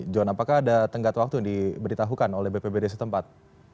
john apakah ada tenggat waktu yang diberitahukan oleh bpbd setempat